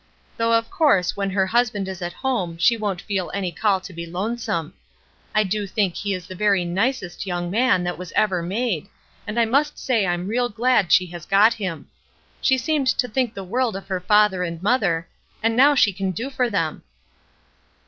Though of course when her husband is at home she won't feel any call to be lonesome. I do think he is the very nicest young man that was ever made, and I must say I'm real glad she has got him. She seemed to think the world of her father and mother, and now she can do for them."